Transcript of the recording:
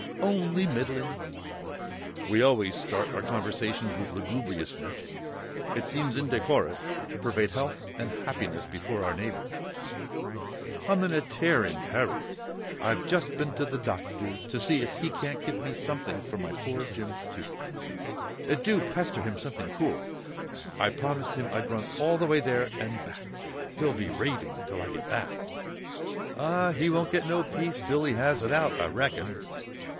"Only middling." (We always start our conversations with lugubriousness; it seems indecorous to parade health and happiness before our neighbours!) "I'm in a tearing hurry. I've just been to the doctor's to see if he can't give me something for my poor Jim's tooth. It do pester him something cruel. I promised him I'd run all the way there and back; he'll be raving till I get back." "Ah, he won't get no peace till he has it out, I reckon."